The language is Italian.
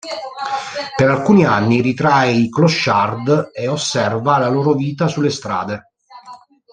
Per alcuni anni ritrae i clochard e osserva la loro vita sulle strade.